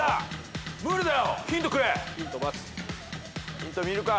ヒント見るか。